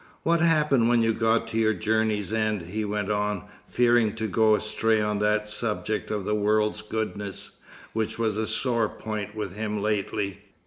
"What happened when you got to your journey's end?" he went on, fearing to go astray on that subject of the world's goodness, which was a sore point with him lately.